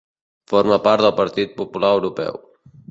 Forma part del Partit Popular Europeu.